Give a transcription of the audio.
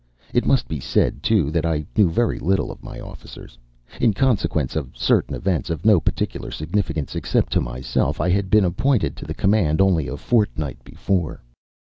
It must be said, too, that I knew very little of my officers. In consequence of certain events of no particular significance, except to myself, I had been appointed to the command only a fortnight before.